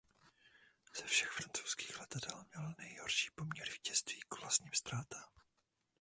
Ze všech francouzských letadel měl nejhorší poměr vítězství k vlastním ztrátám.